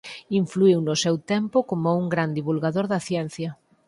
Influíu no seu tempo como un gran divulgador da ciencia.